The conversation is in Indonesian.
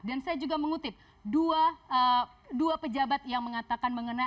saya juga mengutip dua pejabat yang mengatakan mengenai